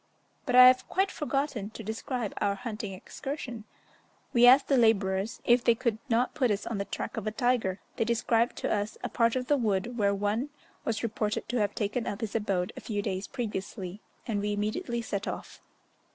But I have quite forgotten to describe our hunting excursion. We asked the labourers if they could not put us on the track of a tiger; they described to us a part of the wood where one was reported to have taken up his abode a few days previously, and we immediately set off.